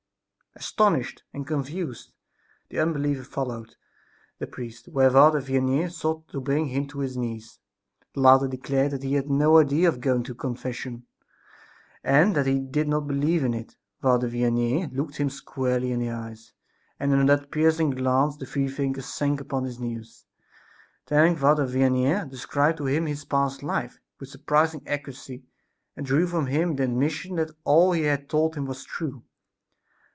Astonished and confused the unbeliever followed the priest. There Father Vianney sought to bring him to his knees. The latter declared that he had no idea of going to confession, and that he did not believe in it. Father Vianney looked him squarely in the eyes, and under that piercing glance the freethinker sank upon his knees. Then Father Vianney described to him his past life, with surprising accuracy and drew from him the admission that all he had told him was true.